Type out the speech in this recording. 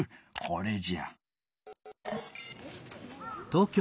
これじゃ。